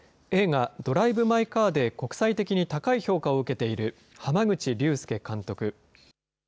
映画、ドライブ・マイ・カーで国際的に高い評価を受けている濱口竜介監督。